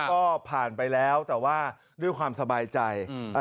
ก็ผ่านไปแล้วแต่ว่าด้วยความสบายใจอืม